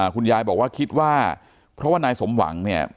คุณยายบอกว่าคิดว่าเพราะว่านายสมหวังเนี่ย